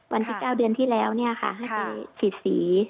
วันที่๙เดือนที่แล้วให้ไปฉีดสี